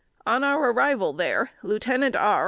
On our arrival there, Lieutenant R.